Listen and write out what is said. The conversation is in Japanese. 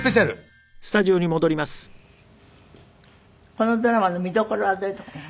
このドラマの見どころはどういうところ？